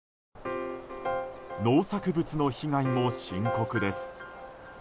農作物の被害も深刻です。